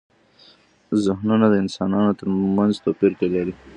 زهنونه د انسانانو ترمنځ توپیر لري.